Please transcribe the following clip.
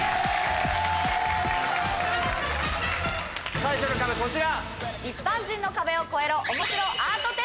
最初の壁こちら！